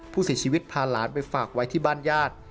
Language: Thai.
ผู้เสียชีวิตพาหลานไปฝากไว้ที่บ้านญาติ